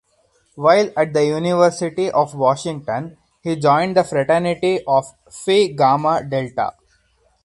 While at the University of Washington he joined the Fraternity of Phi Gamma Delta.